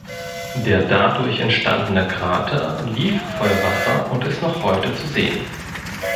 Der dadurch entstandene Krater lief voll Wasser und ist noch heute zu sehen.